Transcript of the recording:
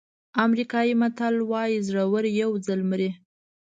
امریکایي متل وایي زړور یو ځل مري.